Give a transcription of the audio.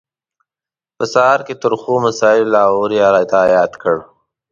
په سهار کې ترخو مسالو لاهور را یاد کړو.